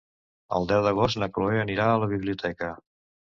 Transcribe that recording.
El deu d'agost na Cloè anirà a la biblioteca.